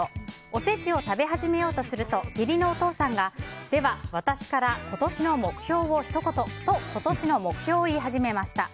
おせちを食べ始めようとすると義理のお父さんがでは、私から今年の目標をひと言と今年の目標を言い始めました。